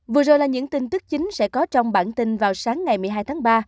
vừa rồi là những tin tức chính sẽ có trong bản tin vào sáng ngày một mươi hai tháng ba